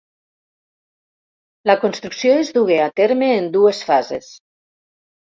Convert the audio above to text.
La construcció es dugué a terme en dues fases.